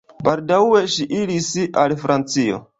Baldaŭe ŝi iris al Francio.